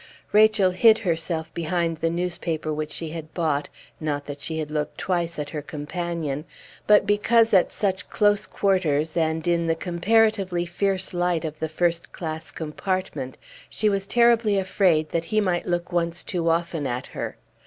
Rachel hid herself behind the newspaper which she had bought, not that she had looked twice at her companion, but because at such close quarters, and in the comparatively fierce light of the first class compartment, she was terribly afraid that he might look once too often at her.